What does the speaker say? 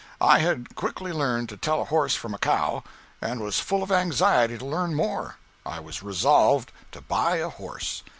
I had quickly learned to tell a horse from a cow, and was full of anxiety to learn more. I was resolved to buy a horse.